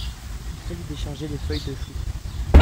Il fallut décharger les feuilles de choux.